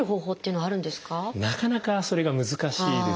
なかなかそれが難しいです。